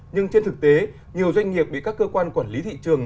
nhưng trên thực tế nhiều doanh nghiệp bị các cơ quan quản lý thị trường